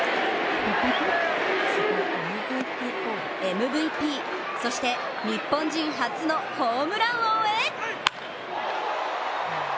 ＭＶＰ、そして日本人初のホームラン王へ。